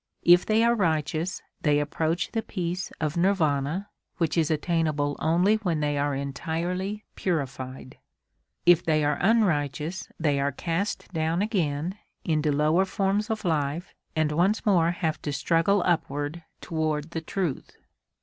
If they are righteous they approach the peace of Nirvana, which is attainable only when they are entirely purified; if they are unrighteous they are cast down again into lower forms of life and once more have to struggle upward toward the truth.